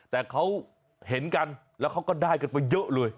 แต่เขาเห็นกันแล้วเขาก็ได้กันไปเยอะเลย